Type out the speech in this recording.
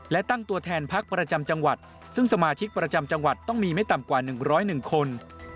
และตั้งตัวแทนพักประจำจังหวัดซึ่งสมาชิกประจำจังหวัดต้องมีไม่ต่ำกว่า๑๐๑คน